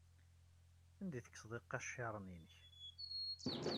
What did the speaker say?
Anda ay tekkseḍ iqaciren-nnek?